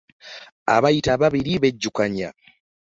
Abayita ababiri bejjukanya.